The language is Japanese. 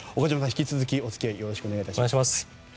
引き続きお付き合いよろしくお願いします。